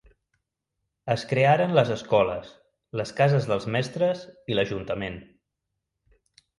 Es crearen les escoles, les cases dels mestres i l'ajuntament.